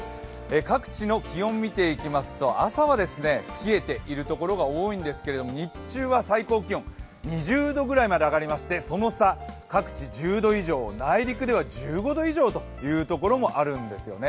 各地の気温を見ていきますと、朝は冷えているところが多いんですけれども、日中は最高気温２０度ぐらいまで上がりまして内陸では１０度以上というところもあるんですね。